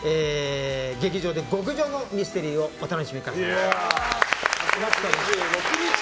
劇場で極上のミステリーをお楽しみください。